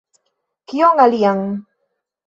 Kion alian?